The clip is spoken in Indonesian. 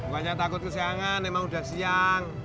banyak takut kesiangan emang udah siang